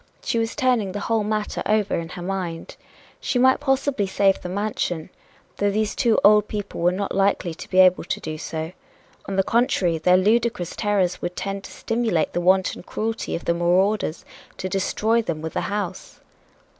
She was turning the whole matter over in her mind. She might possibly save the mansion, though these two old people were not likely to be able to do so on the contrary, their ludicrous terrors would tend to stimulate the wanton cruelty of the marauders to destroy them with the house.